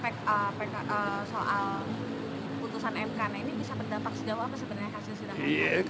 soal putusan mk nah ini bisa berdampak sejauh apa sebenarnya hasil sidang mk